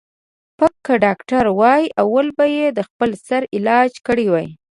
ـ پک که ډاکتر وای اول به یې د خپل سر علاج کړی وای.